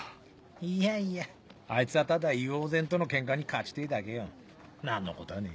いやいやあいつはただ猪王山とのケンカに勝ちてぇだけよ何のこたぁねえ。